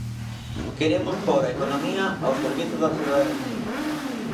Queremos pór a economía ao servizo da cidadanía.